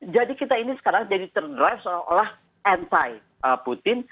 jadi kita ini sekarang jadi ter drive seolah olah anti putin